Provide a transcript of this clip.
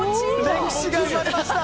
歴史が生まれました！